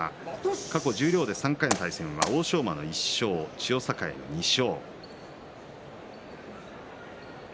過去十両で３回の対戦は欧勝馬が１勝、千代栄の２勝。